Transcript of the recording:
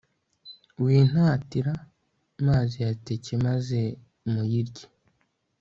wintatira maziyateke maze muyirye